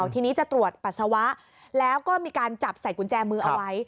ทีนี้จะตรวจปัสสาวะแล้วก็มีการจับใส่กุญแจมือเอาไว้